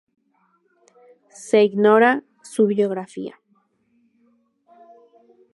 Se ignora su biografía.